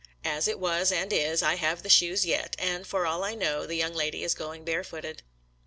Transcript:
As it was and is, I have the shoes yet, and, for all I know, the young lady is going barefooted.